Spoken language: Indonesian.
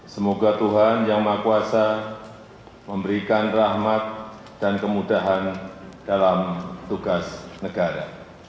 semoga tuhan yang maha kuasa memberikan rahmat dan kemudahan dalam tugas negara